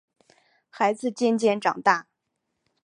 孩子渐渐长大